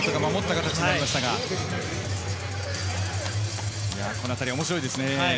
このあたり面白いですね。